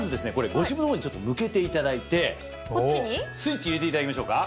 ご自分の方に向けていただいてスイッチ入れていただきましょうか。